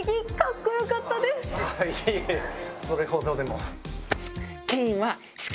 いえいえそれほどでも。